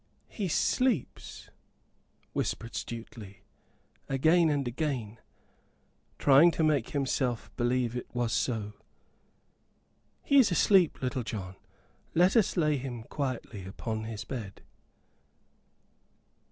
"He sleeps," whispered Stuteley, again and again, trying to make himself believe it was so. "He is asleep, Little John let us lay him quietly upon his bed."